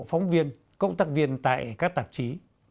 phóng viên công tác viên tại các tạp chí